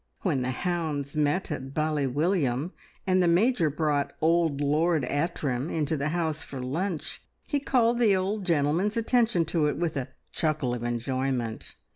When the hounds met at Bally William, and the Major brought old Lord Atrim into the house for lunch, he called the old gentleman's attention to it with a chuckle of enjoyment.